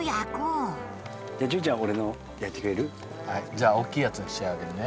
じゃあ大きいやつにしてあげるね。